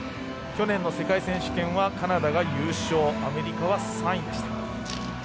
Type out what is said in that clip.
去年の世界選手権はカナダが優勝アメリカは３位でした。